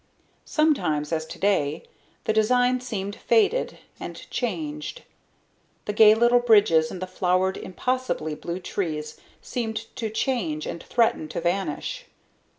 Sometimes, as today, the design seemed faded and changed. The gay little bridges and the flowered, impossibly blue trees seemed to change and threaten to vanish.